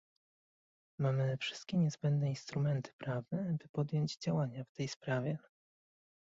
Mamy wszystkie niezbędne instrumenty prawne, by podjąć działania w tej sprawie